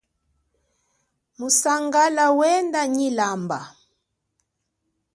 Musangala wenda nyi lamba.